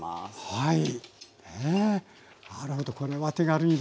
はい。